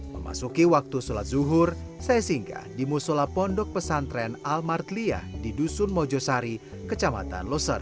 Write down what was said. memasuki waktu sholat zuhur saya singgah di musola pondok pesantren al martliah di dusun mojosari kecamatan loser